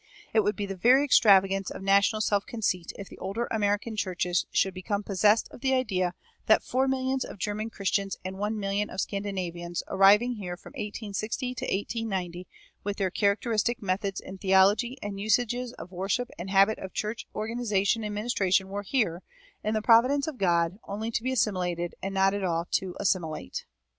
It would be the very extravagance of national self conceit if the older American churches should become possessed of the idea that four millions of German Christians and one million of Scandinavians, arriving here from 1860 to 1890, with their characteristic methods in theology and usages of worship and habits of church organization and administration, were here, in the providence of God, only to be assimilated and not at all to assimilate.